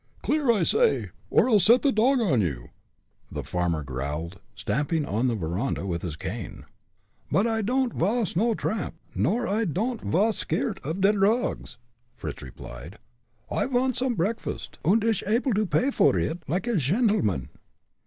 Clear, I say, or I'll set the dog on you," the farmer growled, stamping on the veranda with his cane. "But, I don'd vas no tramp, nor I don'd vas skeardt at der dogs!" Fritz replied. "I vants some preakfast, und ish able to pay vor id like a shendleman."